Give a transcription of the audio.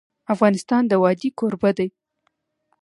افغانستان د وادي کوربه دی.